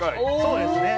そうですね。